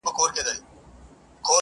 • نه د بل پر حیثیت وي نه د خپلو -